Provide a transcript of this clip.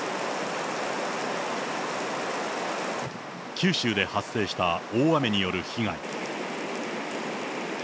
九州で発生した大雨による被害。